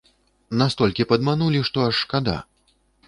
Настолькі падманулі, што аж шкада.